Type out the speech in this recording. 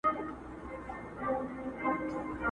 ماشومانو ته به کومي کیسې یوسي!.